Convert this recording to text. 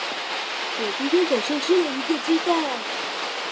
我今天早上吃了一个鸡蛋。